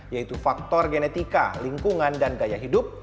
yaitu faktor genetika lingkungan dan gaya hidup